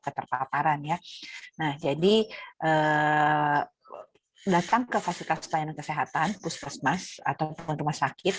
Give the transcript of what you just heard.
keterpaparan ya nah jadi datang ke fasilitas pelayanan kesehatan puskesmas ataupun rumah sakit